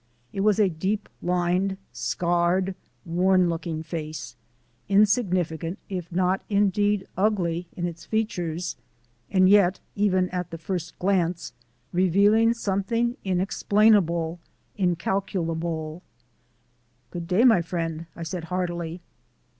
It was a deep lined, scarred, worn looking face, insignificant if not indeed ugly in its features, and yet, even at the first glance, revealing something inexplainable incalculable "Good day, friend," I said heartily.